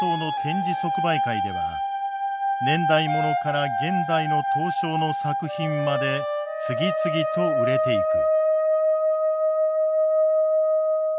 即売会では年代物から現代の刀匠の作品まで次々と売れていく。